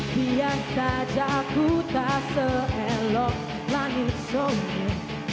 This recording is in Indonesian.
biar saja ku tak seelok langit soya